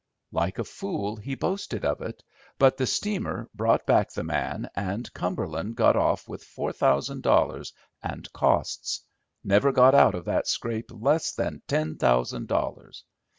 Like a fool, he boasted of it, but the steamer brought back the man, and Cumberland got off with four thousand dollars and costs. Never got out of that scrape less than ten thousand dollars.